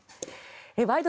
「ワイド！